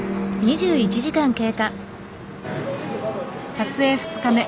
撮影２日目。